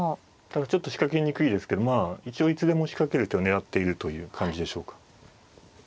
ただちょっと仕掛けにくいですけど一応いつでも仕掛ける手を狙っているという感じでしょうか。